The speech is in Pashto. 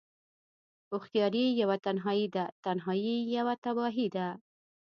هوښياری يوه تنهايی ده، تنهايی يوه تباهی ده